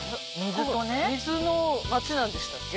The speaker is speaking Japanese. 水の町なんでしたっけ？